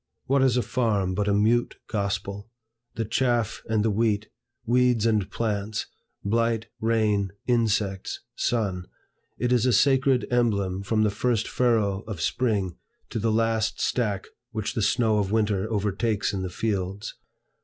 What is a farm but a mute gospel? The chaff and the wheat, weeds and plants, blight, rain, insects, sun, it is a sacred emblem from the first furrow of spring to the last stack which the snow of winter overtakes in the fields.